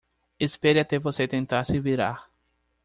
Espere até você tentar se virar.